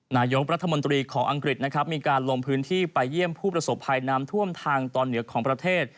นายกรัฐมนตรีของอังกฤษนะครับมีการลงพื้นที่ไปเยี่ยมผู้ประสบภัยน้ำท่วมทางตอนเหนือของประเทศ